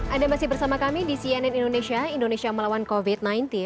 anda masih bersama kami di cnn indonesia indonesia melawan covid sembilan belas